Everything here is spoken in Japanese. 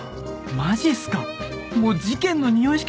マジっすか。